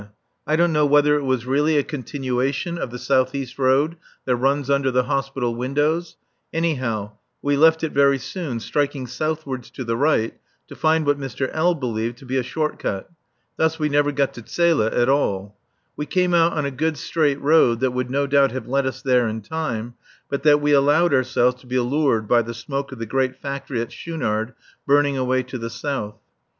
I don't know whether it was really a continuation of the south east road that runs under the Hospital windows; anyhow, we left it very soon, striking southwards to the right to find what Mr. L. believed to be a short cut. Thus we never got to Zele at all. We came out on a good straight road that would no doubt have led us there in time, but that we allowed ourselves to be lured by the smoke of the great factory at Schoonard burning away to the south.